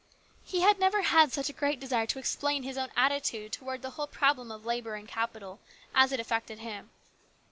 He had never had such a great desire to explain his own attitude towards the whole problem of labour and capital, as it affected him.